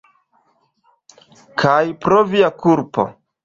Kaj pro via kulpo.